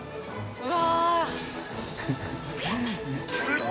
うわ！